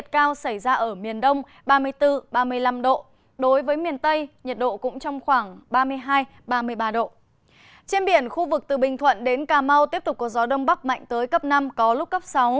trên biển khu vực từ bình thuận đến cà mau tiếp tục có gió đông bắc mạnh tới cấp năm có lúc cấp sáu